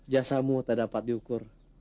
jasamu tak dapat diukur